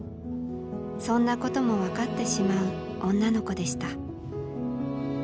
そんなことも分かってしまう女の子でした。